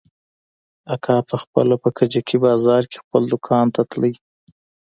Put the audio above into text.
اکا پخپله په کجکي بازار کښې خپل دوکان ته ته.